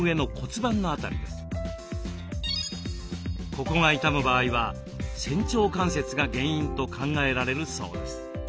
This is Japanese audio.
ここが痛む場合は仙腸関節が原因と考えられるそうです。